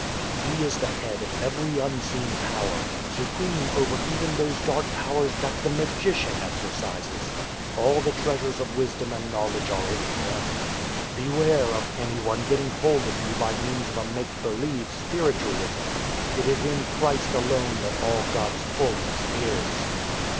" He is the Head of every unseen Power, supreme over even those dark powers that the magician exer cises. All the treasures of wisdom and knowledge are in Him. Beware of anyone getting hold of you by means of a make believe spiritualism. It is in Christ alone that all God's fullness is.